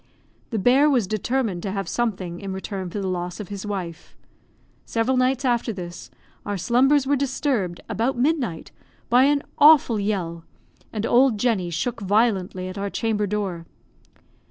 The bear was determined to have something in return for the loss of his wife. Several nights after this, our slumbers were disturbed, about midnight, by an awful yell, and old Jenny shook violently at our chamber door.